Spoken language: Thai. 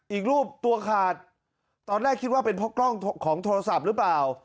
อีกรูปตัวขาดตอนแรกคิดว่าเป็นเพราะกล้องของโทรศัพท์หรือเปล่า